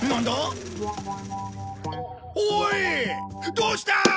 どうした！？